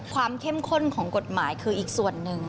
เข้มข้นของกฎหมายคืออีกส่วนหนึ่ง